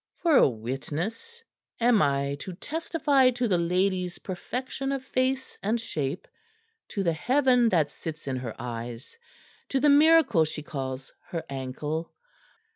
"For a witness? Am I to testify to the lady's perfection of face and shape, to the heaven that sits in her eyes, to the miracle she calls her ankle?